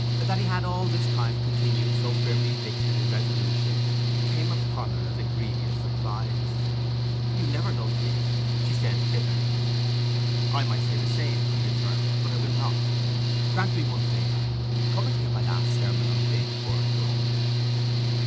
That he had all this time continued so firmly fixed in his resolution came upon her as a grievous surprise. 'You never loved me!' she said bitterly. 'I might say the same,' he returned; 'but I will not. Grant me one favour. Come and hear my last sermon on the day before I go.